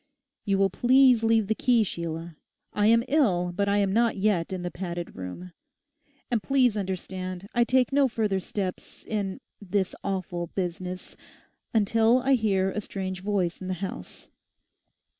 'You will please leave the key, Sheila. I am ill, but I am not yet in the padded room. And please understand, I take no further steps in "this awful business" until I hear a strange voice in the house.